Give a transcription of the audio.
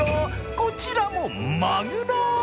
こちらもまぐろ。